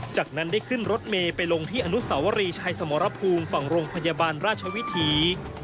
จากนั้นได้ขึ้นรถเมย์ไปลงที่อนุสาวรีชัยสมรภูมิฝั่งโรงพยาบาลราชวิถี